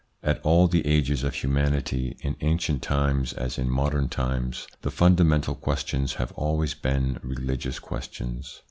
At all the ages of humanity, in ancient times as in modern times, the fundamental questions have always been religious questions.